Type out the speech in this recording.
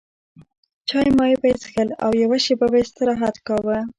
چای مای به یې څښل او یوه شېبه به یې استراحت کاوه.